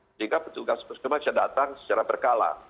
sehingga petugas puskesmas bisa datang secara berkala